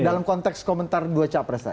dalam konteks komentar dua capres tadi